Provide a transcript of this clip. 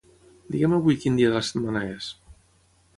Digue'm avui quin dia de la setmana és.